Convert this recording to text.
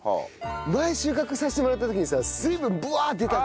前収穫させてもらった時にさ水分ブワーッ出た。